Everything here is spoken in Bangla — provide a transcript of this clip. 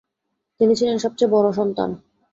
তিনি ছিলেন সবচেয়ে বড় সন্তান।